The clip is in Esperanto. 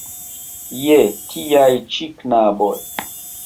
Je tiaj ĉi knaboj!